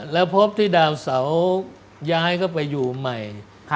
แล้วพบที่ดาวเสาย้ายเข้าไปอยู่ใหม่